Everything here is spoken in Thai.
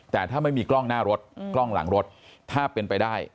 แต่ถ้าไม่มีกล้องหน้ารถกล้องหลังรถถ้าเป็นไปได้